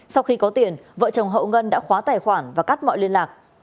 sau khi có tiền vợ chồng hậu ngân đã khóa tài khoản và cắt mọi liên lạc